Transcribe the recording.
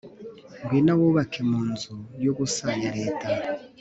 Ngwino wubake munzu yubusa ya leta